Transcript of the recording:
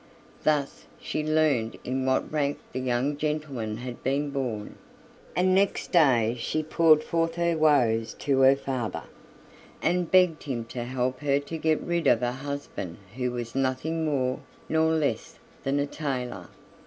Thus she learned in what rank the young gentleman had been born, and next day she poured forth her woes to her father, and begged him to help her to get rid of a husband who was nothing more nor less than a tailor.